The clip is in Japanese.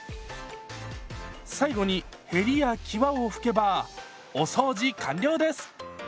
最後にへりやきわを拭けばお掃除完了です！